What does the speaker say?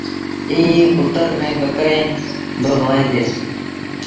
ائيٚݩ اُتر ريٚݩ ٻڪريݩ با هوئين ديٚݩ۔